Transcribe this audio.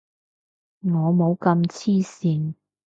我冇咁黐線